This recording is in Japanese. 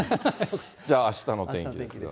じゃああしたの天気は。